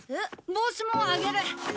帽子もあげる。